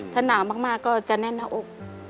ถ้าหนาวมากก็จะแน่นหน้าอก